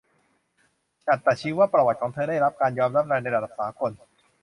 อัตชีวประวัติของเธอได้รับการยอมรับในระดับสากล